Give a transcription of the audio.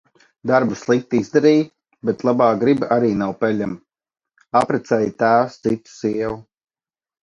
Darbu slikti izdarīji. Bet labā griba arī nav peļama. Apprecēja tēvs citu sievu...